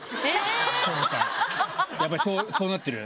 やっぱりそうなってる？